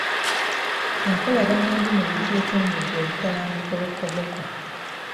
Enkolagana embi mu bika etumbudde obutabanguko e Koboko.